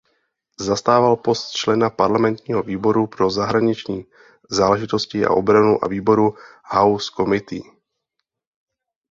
Zastával post člena parlamentního výboru pro zahraniční záležitosti a obranu a výboru House Committee.